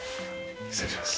失礼します。